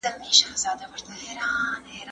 سهار چې راپاڅېد، له ځان سره یې د یخنۍ یادونه وکړه.